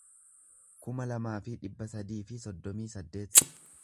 kuma lamaa fi dhibba sadii fi soddomii saddeet